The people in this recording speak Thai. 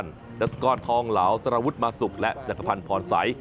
รัชกรทองเหลาสารวุฒิมาสุกและจักรพันธ์พรสัย